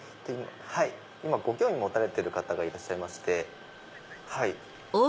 今ご興味持たれてる方がいらっしゃいまして。